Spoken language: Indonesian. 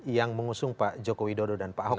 yang mengusung pak joko widodo dan pak ahok